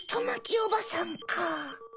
おばさんかぁ。